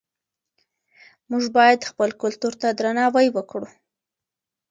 موږ باید خپل کلتور ته درناوی وکړو.